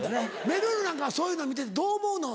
めるるなんかそういうの見ててどう思うの？